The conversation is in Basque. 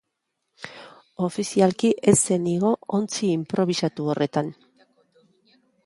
Ofizialik ez zen igo ontzi inprobisatu horretan.